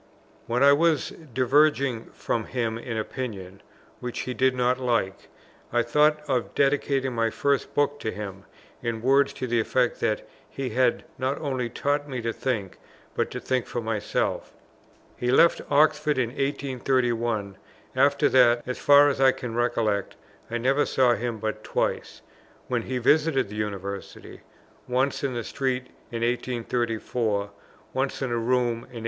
When I was diverging from him in opinion (which he did not like), I thought of dedicating my first book to him, in words to the effect that he had not only taught me to think, but to think for myself. He left Oxford in 1831; after that, as far as I can recollect, I never saw him but twice, when he visited the University; once in the street in 1834, once in a room in 1838.